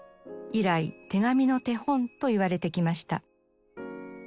以来手紙の手本といわれてきました。